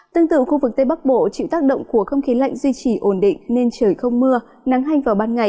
tương tự khu vực tây bắc bộ chịu tác động của không khí lạnh duy trì ổn định nên trời không mưa nắng hanh vào ban ngày